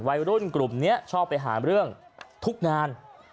วัยรุ่นกลุ่มนี้ชอบไปหาเรื่องทุกงาน